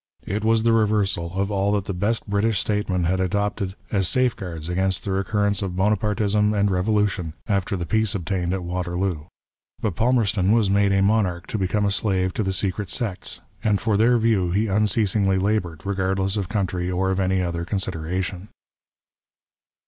It was the reversal of all that the best British statesmen had adopted as safeguards against the recur rence of Bonapartism and revolution, after the peace obtained at Waterloo. But Palmerston was made a monarch to become a slave to the secret sects, and for their views he unceasingly laboured, regardless of country or of any other consideration.